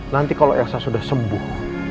nanti kalau elsa sudah sembuh